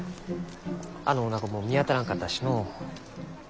あのおなごも見当たらんかったしのう。